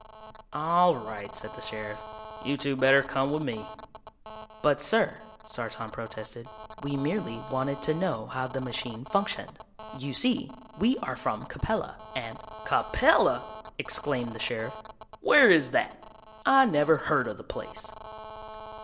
"All right," said the sheriff, "you two better come with me." "But, sir," Sartan protested, "we merely wanted to know how the machine functioned. You see, we are from Capella and " "Capella!" exclaimed the sheriff. "Where is that? I never heard of the place."